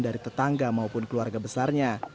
dari tetangga maupun keluarga besarnya